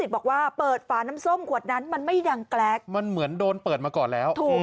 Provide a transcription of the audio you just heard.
บอกว่าเปิดฝาน้ำส้มขวดนั้นมันไม่ดังแกรกมันเหมือนโดนเปิดมาก่อนแล้วถูก